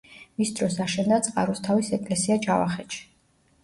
მის დროს აშენდა წყაროსთავის ეკლესია ჯავახეთში.